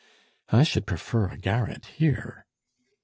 "I should prefer a garret here."